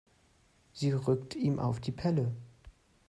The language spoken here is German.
Sie rückt ihm auf die Pelle.